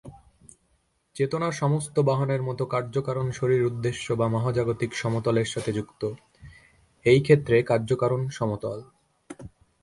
চেতনার সমস্ত বাহনের মতো, কার্যকারণ শরীর উদ্দেশ্য বা মহাজাগতিক সমতলের সাথে যুক্ত, এই ক্ষেত্রে কার্যকারণ সমতল।